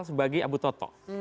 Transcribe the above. dibagi abu toto